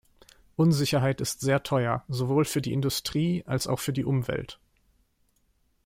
Unsicherheit ist sehr teuer, sowohl für die Industrie als auch für die Umwelt.